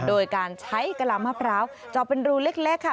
โดยการใช้กะลามะพร้าวจอบเป็นรูเล็กค่ะ